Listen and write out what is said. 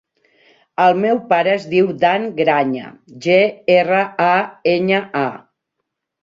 El meu pare es diu Dan Graña: ge, erra, a, enya, a.